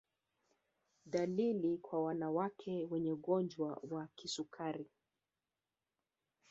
Dalili kwa wanawake wenye ugonjwa wa kisukari